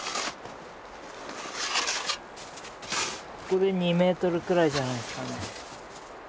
ここで２ｍくらいじゃないですかね。